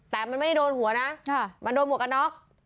แต่มันไม่ได้โดนหัวนะมันโดนหมวกกันน็อก